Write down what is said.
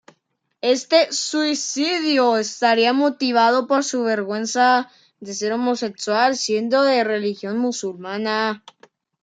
Este "suicidio" estaría motivado por su vergüenza de ser homosexual siendo de religión musulmana.